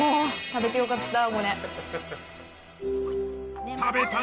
食べてよかった。